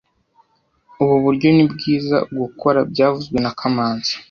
Ubu buryo ni bwiza gukora byavuzwe na kamanzi